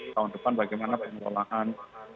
tahun depan bagaimana pengelolaan